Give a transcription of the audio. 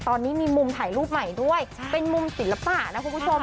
ตอนนี้มีมุมถ่ายรูปใหม่ด้วยเป็นมุมศิลปะนะคุณผู้ชม